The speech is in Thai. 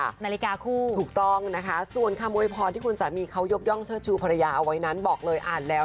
นาฬิกาคู่ถูกต้องนะคะส่วนคำโวยพรที่คุณสามีเขายกย่องเชิดชูภรรยาเอาไว้นั้นบอกเลยอ่านแล้ว